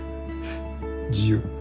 自由。